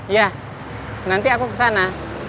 iya nanti aku kesana